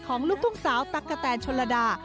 ลูกทุ่งสาวตั๊กกะแตนชนระดา